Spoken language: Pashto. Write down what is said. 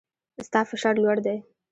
ستا فشار لوړ دی